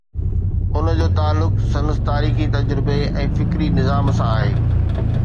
ان جو تعلق سندس تاريخي تجربي ۽ فڪري نظام سان آهي.